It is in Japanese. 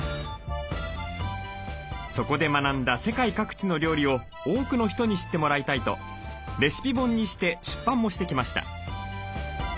そこで学んだ世界各地の料理を多くの人に知ってもらいたいとレシピ本にして出版もしてきました。